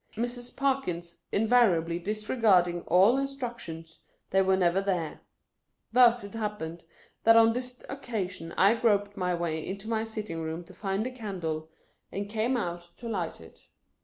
Mrs. Parkins invariably disregarding all instructions, they were never there. Thus it happened that on this occasion I groped my way into my sitting room to find the candle, and came out to light it.